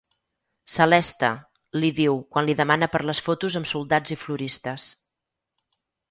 Celeste —li diu, quan li demana per les fotos amb soldats i floristes—.